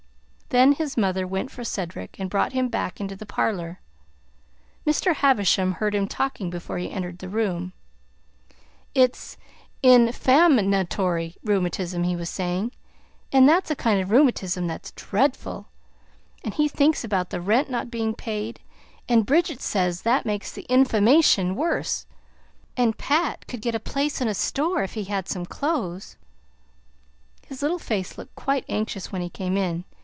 Then his mother went for Cedric and brought him back into the parlor. Mr. Havisham heard him talking before he entered the room. "It's infam natory rheumatism," he was saying, "and that's a kind of rheumatism that's dreadful. And he thinks about the rent not being paid, and Bridget says that makes the inf'ammation worse. And Pat could get a place in a store if he had some clothes." His little face looked quite anxious when he came in.